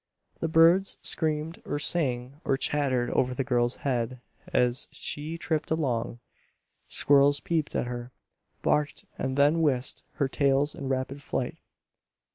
The birds screamed or sang or chattered over the girl's head as she tripped along. Squirrels peeped at her, barked, and then whisked their tails in rapid flight.